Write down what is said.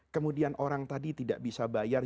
kemudian orang tadi tidak bisa bayar